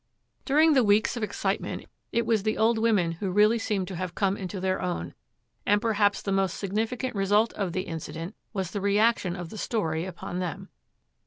During the weeks of excitement it was the old women who really seemed to have come into their own, and perhaps the most significant result of the incident was the reaction of the story upon them.